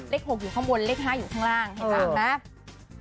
เลข๖อยู่ข้างบนเลข๕อยู่ข้างล่าง